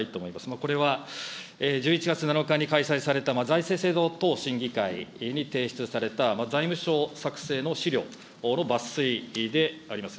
これは１１月７日に開催された財政制度等審議会に提出された財務省作成の資料の抜粋であります。